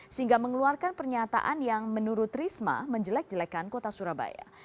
sehingga mengeluarkan pernyataan yang menurut risma menjelek jelekan kota surabaya